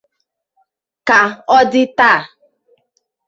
Ka ọ dị taa